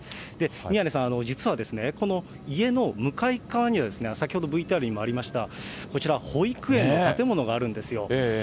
宮根さん、実はこの家の向かいっ側には、先ほどＶＴＲにもありました、こちら、保育園の建物があるんですよ。